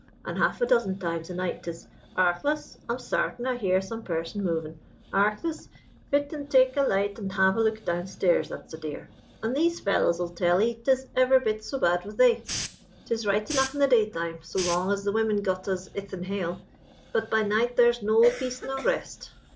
And ha'f a dozen times a night 'tis, '_Arch'laus, I'm sartin I hear some person movin' Arch'laus, fit an' take a light and have a look downstairs, that's a dear!_' An' these fellows'll tell 'ee 'tis every bit so bad with they. 'Tis right enough in the daytime, so long as the women got us 'ithin hail, but by night there's no peace nor rest.'